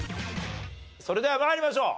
それでは参りましょう。